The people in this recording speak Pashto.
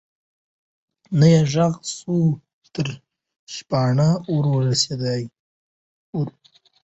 نه یې ږغ سوای تر شپانه ور رسولای